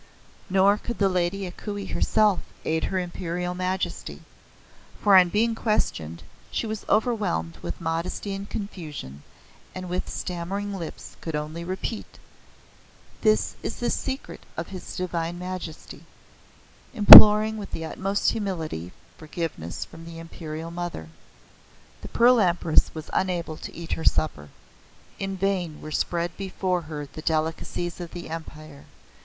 Nor could the Lady A Kuei herself aid her Imperial Majesty, for on being questioned she was overwhelmed with modesty and confusion, and with stammering lips could only repeat: "This is the secret of his Divine Majesty," imploring with the utmost humility, forgiveness from the Imperial Mother. The Pearl Empress was unable to eat her supper. In vain were spread before her the delicacies of the Empire.